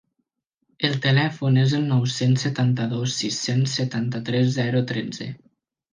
El telèfon és el nou-cents setanta-dos sis-cents setanta-tres zero tretze.